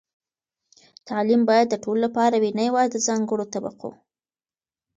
تعلیم باید د ټولو لپاره وي، نه یوازې د ځانګړو طبقو.